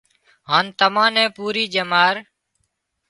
هانَ تمان نين پُوري ڄمار